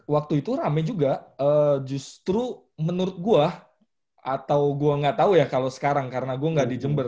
waktu itu rame juga justru menurut gue atau gue gak tau ya kalau sekarang karena gue gak di jember